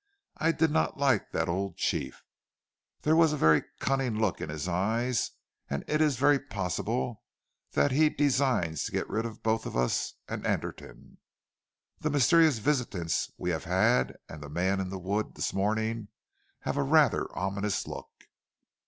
I did not like that old chief. There was a very cunning look in his eyes and it is very possible that he designs to get rid of both us and Anderton. The mysterious visitants we have had, and the man in the wood this morning have a rather ominous look."